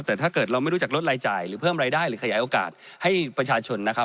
แต่ถ้าเกิดเราไม่รู้จักลดรายจ่ายหรือเพิ่มรายได้หรือขยายโอกาสให้ประชาชนนะครับ